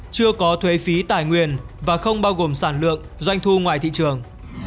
chưa có thuế phí tài nguyên và không bao gồm sản lượng doanh thu ngoài thị trường